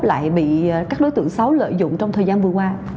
lại bị các đối tượng xấu lợi dụng trong thời gian vừa qua